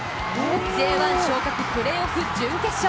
Ｊ１昇格プレーオフ準決勝